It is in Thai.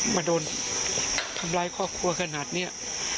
มาโดนทำร้ายครอบครัวขนาดนี้